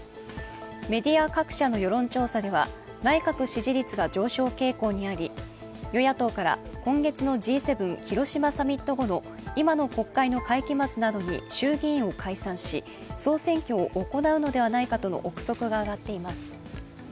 メディア各社の世論調査では内閣支持率が上昇傾向にあり、与野党から今月のＧ７広島サミット後の今の国会の会期末などに衆議院を解散し総選挙を行うのではないかとの臆測が上がっています。